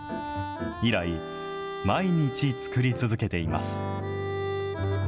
以来、毎日作り続けています。